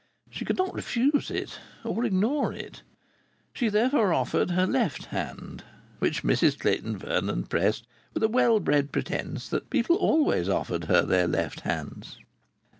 She could not refuse it, or ignore it. She therefore offered her left hand, which Mrs Clayton Vernon pressed with a well bred pretence that people always offered her their left hands.